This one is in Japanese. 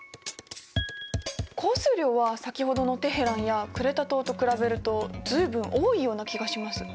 降水量は先ほどのテヘランやクレタ島と比べると随分多いような気がします。